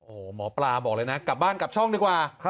โอ้โหหมอปลาบอกเลยนะกลับบ้านกลับช่องดีกว่า